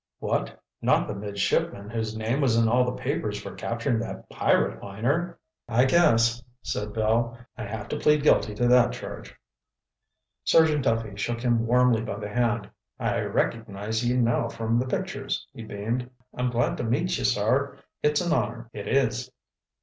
"What? Not the midshipman whose name was in all the papers fer capturin' that pirate liner!" "I guess," said Bill, "I have to plead guilty to the charge." Sergeant Duffy shook him warmly by the hand. "I recognize ye now from the pictures," he beamed. "I'm glad to meet ye, sor. It's an honor, it is....